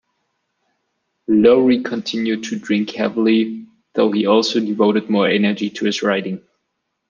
Lowry continued to drink heavily though he also devoted more energy to his writing.